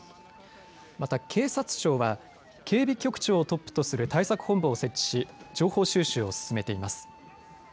また警察庁は警備局長をトップとする対策本部を設置し情報収集を進めています。